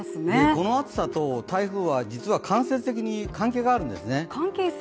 この暑さと、台風は実は間接的に関係があるんですね。